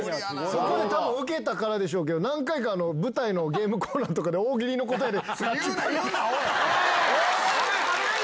そこでたぶん、ウケたからでしょうけど、何回か舞台のゲームコーナーとかで、大喜利の答えで。